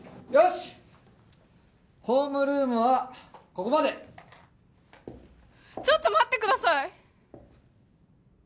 しっホームルームはここまでちょっと待ってください